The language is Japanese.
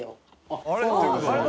あれ？